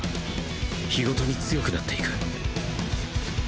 日ごとに強くなっていく。